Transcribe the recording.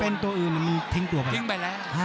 เพราะว่าเป็นตัวอื่นทิ้งตัวไป